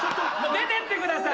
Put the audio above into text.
出てってください！